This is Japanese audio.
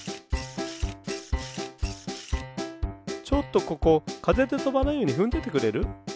ちょっとここかぜでとばないようにふんでてくれる？